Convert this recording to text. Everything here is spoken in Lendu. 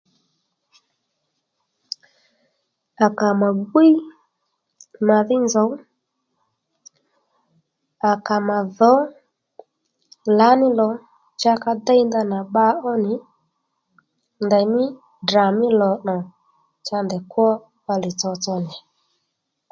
À kà mà gwíy màdhí nzòw à kà mà dhǒ lǎní lò cha ka déy ndanà bba ó nì ndèymí Ddrà mí lò nà cha ndèy kwó bbalè tsotso nì